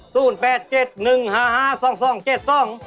ขอบคุณครับ